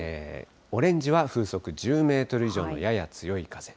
オレンジは風速１０メートル以上のやや強い風。